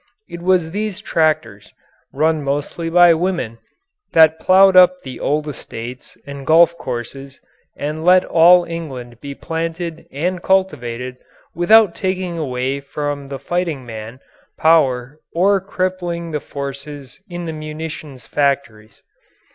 It was these tractors, run mostly by women, that ploughed up the old estates and golf courses and let all England be planted and cultivated without taking away from the fighting man power or crippling the forces in the munitions factories.